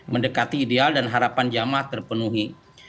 mendekati ideal dan harapan jamaah terpenuhi